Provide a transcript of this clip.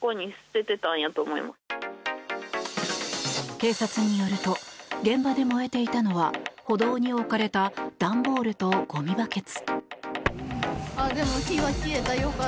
警察によると現場で燃えていたのは歩道に置かれた段ボールとごみバケツ。